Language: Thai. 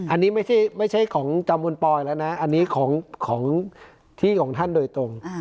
อันนี้ไม่ใช่ของตำบลปลอยแล้วนะอันนี้ของที่ของท่านโดยตรง